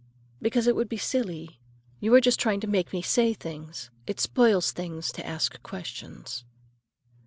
"Because it would be silly. You are just trying to make me say things. It spoils things to ask questions."